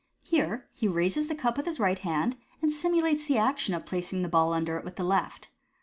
Here he raises the cup with the right hand, and simu lates the action of placing the ball under it with the left.